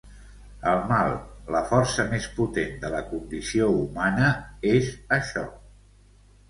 El mal, la força més potent de la condició humana, és això.